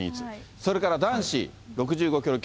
それから男子６５キロ級。